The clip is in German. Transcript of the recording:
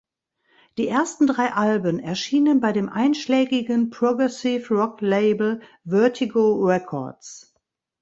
Die ersten drei Alben erschienen bei dem einschlägigen Progressive Rock-Label Vertigo Records.